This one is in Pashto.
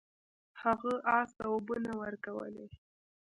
هغه اس ته اوبه نه ورکولې.